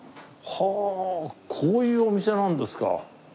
こういうお店なんですか！